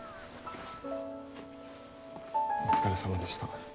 お疲れさまでした。